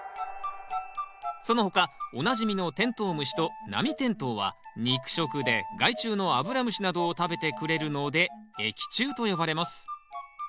その他おなじみのテントウムシとナミテントウは肉食で害虫のアブラムシなどを食べてくれるので益虫と呼ばれます。